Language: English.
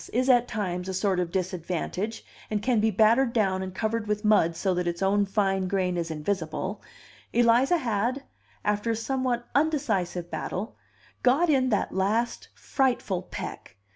is at times a sort of disadvantage, and can be battered down and covered with mud so that its own fine grain is invisible) Eliza had, after a somewhat undecisive battle, got in that last frightful peck!